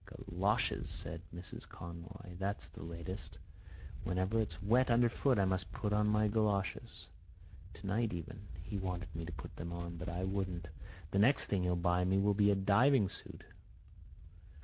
"Goloshes!" said Mrs Conroy. "That's the latest. Whenever it's wet underfoot I must put on my goloshes. Tonight even he wanted me to put them on, but I wouldn't. The next thing he'll buy me will be a diving suit."